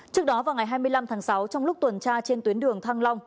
trước đó vào ngày hai mươi năm tháng sáu trong lúc tuần tra trên tuyến đường thăng long